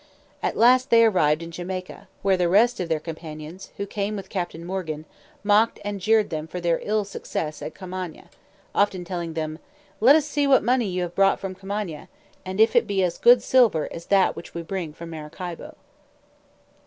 At last they arrived at Jamaica, where the rest of their companions, who came with Captain Morgan, mocked and jeered them for their ill success at Commana, often telling them, "Let us see what money you brought from Commana, and if it be as good silver as that which we bring from Maracaibo."